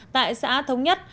tại xã thống nhất